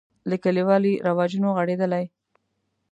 له کلیوالي رواجونو غړېدلی.